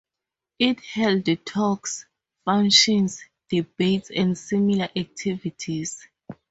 It held talks, functions, debates and similar activities.